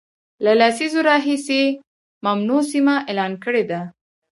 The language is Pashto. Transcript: له لسیزو راهیسي ممنوع سیمه اعلان کړې ده